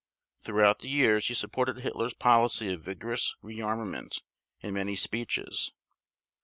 Throughout the years he supported Hitler's policy of vigorous rearmament in many speeches.